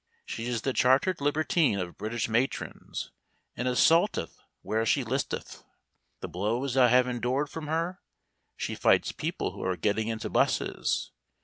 She is the chartered libertine of British matrons, and assaulteth where she listeth. The blows I have endured from her? She fights people who are getting into 'buses.